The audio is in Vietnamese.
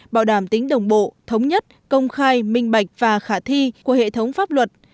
bảo đảm tính đồng bộ thống nhất công khai minh bạch và khả thi của hệ thống pháp luật